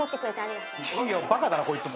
バカだろこいつも。